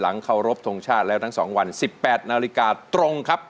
เคารพทงชาติแล้วทั้ง๒วัน๑๘นาฬิกาตรงครับ